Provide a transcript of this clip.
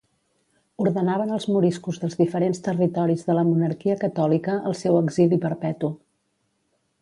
Ordenaven als moriscos dels diferents territoris de la Monarquia Catòlica el seu exili perpetu